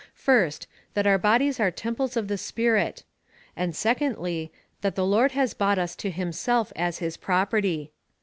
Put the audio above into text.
First, That our bodies are temples of the Spirit ; and, secondly, that the Lord has bought us to himself as his p)ro perty.